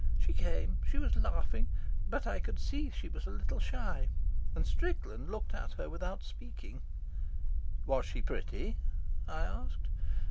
She came. She was laughing, but I could see that she was a little shy, and Strickland looked at her without speaking." "Was she pretty?" I asked.